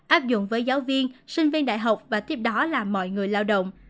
áp dụng với giáo viên sinh viên đại học và tiếp đó là mọi người lao động